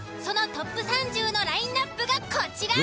そのＴＯＰ３０のラインアップがこちら。